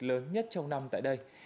lớn nhất trong năm tại đây